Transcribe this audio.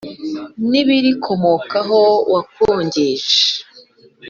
n ibirikomokaho wakongeje